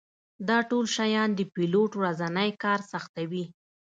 دا ټول شیان د پیلوټ ورځنی کار سختوي